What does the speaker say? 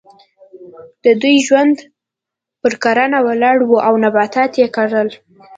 د دې قوم ژوند پر کرنه ولاړ و او نباتات یې کرل.